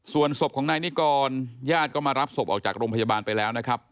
ส่วนศพของนายนิกรญาติก็มารับศพออกจากโรงพยาบาลไปแล้วนะครับ